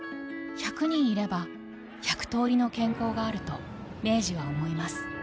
１００人いれば１００通りの健康があると明治は思います